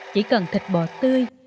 chỉ cần thịt bò tươi